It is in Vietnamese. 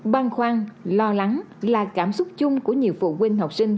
băng khoan lo lắng là cảm xúc chung của nhiều phụ huynh học sinh